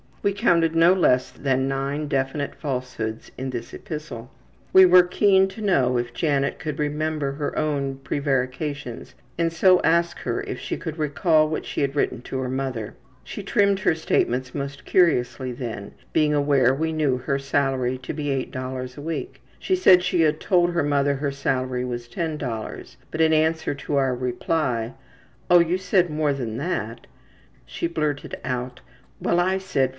We counted no less than nine definite falsehoods in this epistle. We were keen to know if Janet could remember her own prevarications and so asked her if she could recall what she had written to her mother. She trimmed her statements most curiously then, being aware we knew her salary to be $8 a week. She said she had told her mother her salary was $10, but in answer to our reply, ``Oh, you said more than that,'' she blurted out, ``Well, I said $14.''